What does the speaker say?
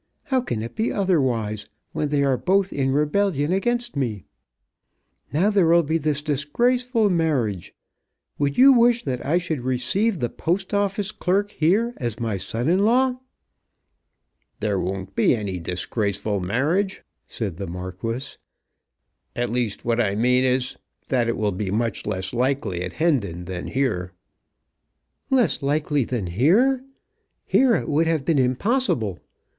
How can it be otherwise, when they are both in rebellion against me? Now there will be this disgraceful marriage. Would you wish that I should receive the Post Office clerk here as my son in law?" "There won't be any disgraceful marriage," said the Marquis. "At least, what I mean is, that it will be much less likely at Hendon than here." "Less likely than here! Here it would have been impossible.